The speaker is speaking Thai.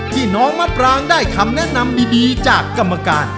น้องมะปรางได้คำแนะนำดีจากกรรมการ